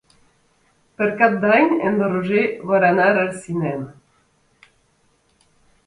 Per Cap d'Any en Roger vol anar al cinema.